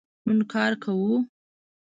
نن کار کوو